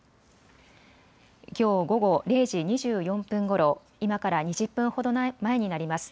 きょう午後０時２４分ごろ、今から２０分ほど前になります。